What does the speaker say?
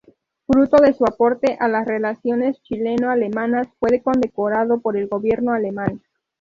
Fruto de su aporte a las relaciones chileno-alemanas, fue condecorado por el gobierno alemán.